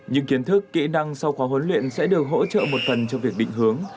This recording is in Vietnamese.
những kiến thức kỹ năng sau khóa huấn luyện sẽ được hỗ trợ một phần cho việc định hướng